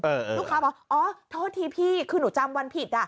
ลูกค้าบอกอ๋อโทษทีพี่คือหนูจำวันผิดอ่ะ